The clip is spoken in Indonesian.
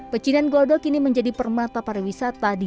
pecinan godok ini menjadi permata pariwisata di jakarta barat